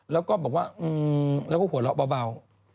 แล้วก็บอกว่าแล้วก็หัวเราะเบา